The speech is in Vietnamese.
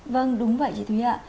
vâng đúng vậy chị thúy ạ